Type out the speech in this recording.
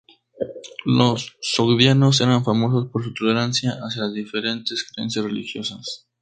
Los sogdianos eran famosos por su tolerancia hacia las diferentes creencias religiosas.